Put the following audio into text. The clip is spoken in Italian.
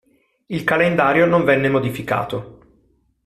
Il calendario non venne modificato.